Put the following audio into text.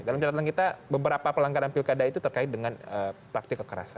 dalam catatan kita beberapa pelanggaran pilkada itu terkait dengan praktik kekerasan